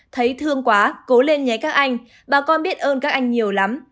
thấy thương quá cố lên nhé các anh bà con biết ơn các anh nhiều lắm